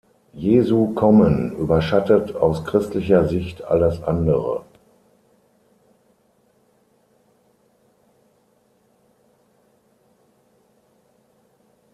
Jesu Kommen überschattet aus christlicher Sicht alles andere.